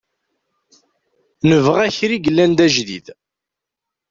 Nebɣa kra i yellan d ajdid.